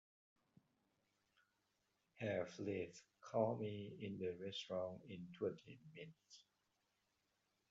Have Liv call me in the restaurant in twenty minutes.